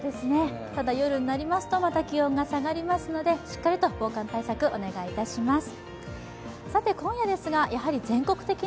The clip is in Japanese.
ただ、夜になりますとまた気温が下がりますのでしっかりと防寒対策、お願いいたします。